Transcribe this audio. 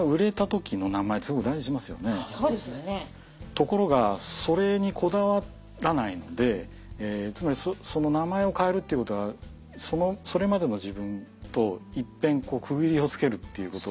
ところがそれにこだわらないのでつまりその名前を変えるっていうことはそれまでの自分といっぺん区切りをつけるっていうこと。